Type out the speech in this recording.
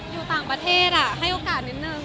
อยู่ต่างประเทศให้โอกาสนิดนึง